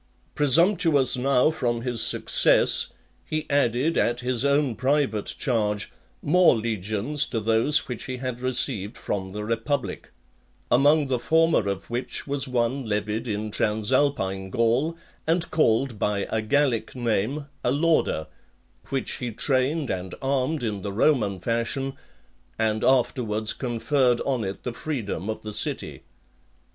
Presumptuous now from his success, he added, at his own private charge, more legions to those which he had received from the republic; among the former of which was one levied in Transalpine Gaul, and called by a Gallic name, Alauda , which he trained and armed in the Roman fashion, and afterwards conferred on it the freedom of the city.